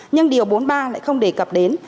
nhưng điều bốn mươi ba lại không đề cập đến